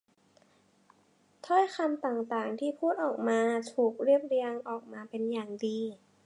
ถ้อยคำต่าง ๆ ที่พูดออกมาถูกเรียบเรียงออกมาเป็นอย่างดี